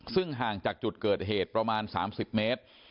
ซึ่งห่างจากจุดเกิดเหตุประมาณ๓๐เมตร